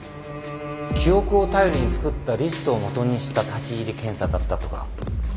記憶を頼りに作ったリストをもとにした立入検査だったとか。